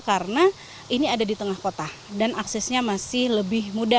karena ini ada di tengah kota dan aksesnya masih lebih mudah